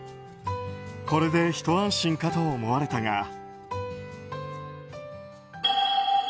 これでひと安心かと思われたが。